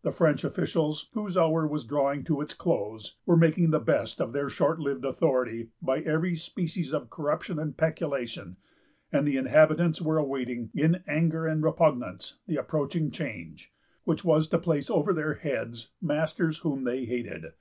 The French officials, whose hour was drawing to its close, were making the best of their short lived authority by every species of corruption and peculation; and the inhabitants were awaiting, in anger and repugnance, the approaching change, which was to place over their heads masters whom they hated.